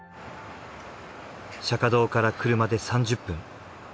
釈迦堂から車で３０分。